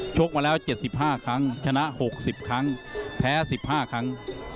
ชกมาแล้วเจ็ดสิบห้าครั้งชนะหกสิบครั้งแพ้สิบห้าครั้ง